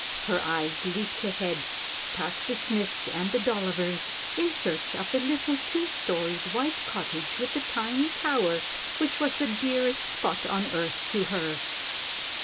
Her eyes leaped ahead, past the Smiths' and the Dollivers', in search of the little, two storied white cottage with the tiny tower which was the dearest spot on earth to her.